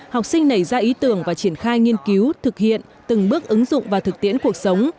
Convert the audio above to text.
học sinh nảy ra ý tưởng và triển khai nghiên cứu thực hiện từng bước ứng dụng và thực tiễn cuộc sống